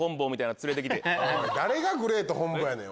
誰がグレート本坊やねん！